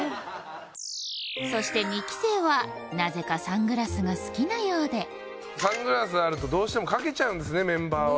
そして二期生はなぜかサングラスが好きなようでサングラスあるとどうしてもかけちゃうんですねメンバーは。